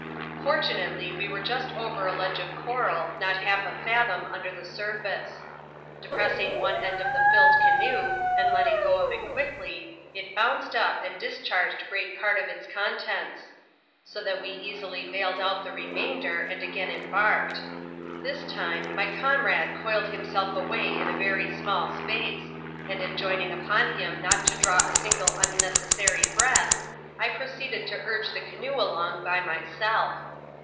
Fortunately, we were just over a ledge of coral, not half » fathom imder the surface. Depressing one end of the filled canoe, and letting go of it quickly, it bounced up, and discharged great part of its contents ; so that we easily baled out the remainder, and again embarked. This time, my comrade coiled himself away in a very small space ; and enjoining upon him not to draw a single unnecessary breath, I proceeded to urge the canoe along by myself.